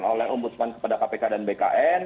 oleh om budsman kepada kpk dan bkn